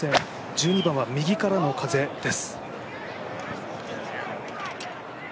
１２番は右からの風です。